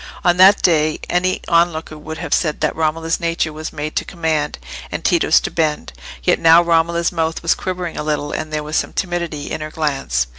On that day, any on looker would have said that Romola's nature was made to command, and Tito's to bend; yet now Romola's mouth was quivering a little, and there was some timidity in her glance.